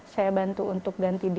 saya bantu untuk ganti